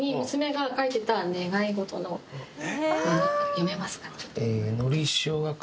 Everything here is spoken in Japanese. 読めますかね。